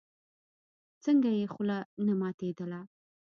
څنگه يې خوله نه ماتېدله.